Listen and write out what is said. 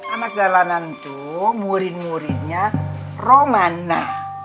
anak jalanan itu murid muridnya romana